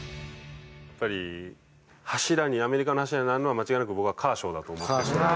やっぱり柱にアメリカの柱になるのは間違いなく僕はカーショーだと思ってるんで。